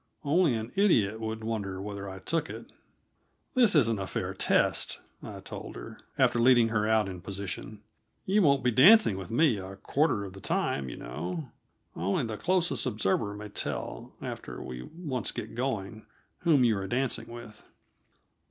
Only an idiot would wonder whether I took it. "This isn't a fair test," I told her, after leading her out in position. "You won't be dancing with me a quarter of the time, you know. Only the closest observer may tell, after we once get going, whom you are dancing with."